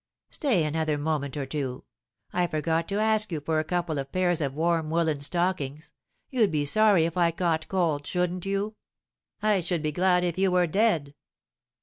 "Stay another moment or two. I forgot to ask you for a couple of pairs of warm woollen stockings, you'd be sorry if I caught cold, shouldn't you?" "I should be glad if you were dead."